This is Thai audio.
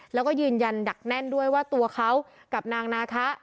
แล้วก็ยืนยันดักแน่นด้วยว่าตัวเขากับนางนาคะ